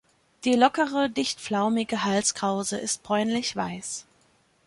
Die lockere, dicht flaumige Halskrause ist bräunlich weiß.